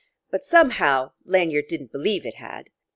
But somehow Lanyard didn't believe it had.